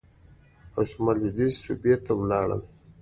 او شمال لوېدیځې صوبې ته ولاړل.